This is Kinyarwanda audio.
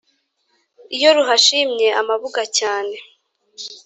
Iyo ruhashimye amabuga cyane